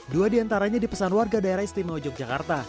dua diantaranya dipesan warga daerah istimewa yogyakarta